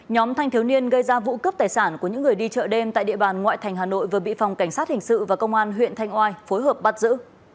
nhóm thanh thiếu niên gây ra vụ cướp tài sản của những người đi chợ đêm tại địa bàn ngoại thành hà nội vừa bị phòng cảnh sát hình sự và công an huyện thanh oai phối hợp bắt giữ